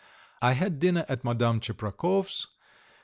I had dinner at Madame Tcheprakov's.